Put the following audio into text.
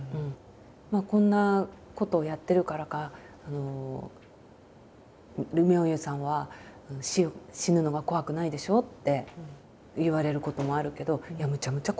こんなことをやってるからか「妙憂さんは死ぬのが怖くないでしょ？」って言われることもあるけどいやむちゃむちゃ怖いですよ。